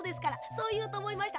そういうとおもいました。